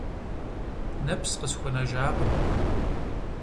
Нэпс къысхуэнэжакъым.